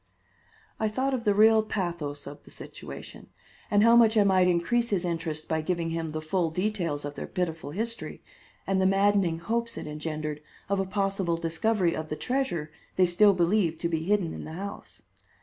I thought of the real pathos of the situation, and how much I might increase his interest by giving him the full details of their pitiful history, and the maddening hopes it engendered of a possible discovery of the treasure they still believed to be hidden in the house.